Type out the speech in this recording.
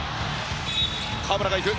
河村が行く！